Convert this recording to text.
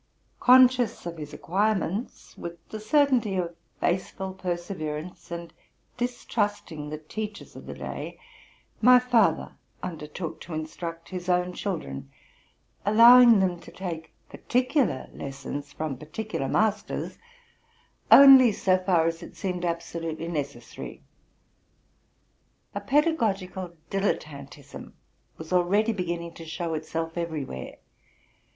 Conscious of his acquirements, with the certainty of faithful perseverance, and distrusting the teachers of the day, my father undertook to instruct his own children, allowing them to take particular lessons from particular masters only so far as seemed abso tutely necessary. A pedagogical dilettantism was already beginning to show itself everywhere.